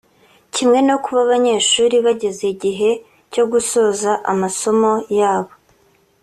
kimwe no kuba aba banyeshuri bageze ku gihe cyo gusoza amasomo yabo